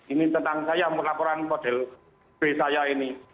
ini tentang saya laporan model b saya ini